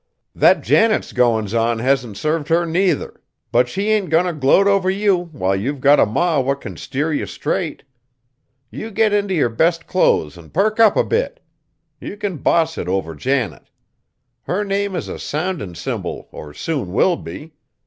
That Janet's goin's on hasn't served her neither, but she ain't goin' t' gloat over you while you've got a ma what can steer you straight. You get int' your best clothes and perk up a bit; you can boss it over Janet. Her name is a soundin' cymbal or soon will be!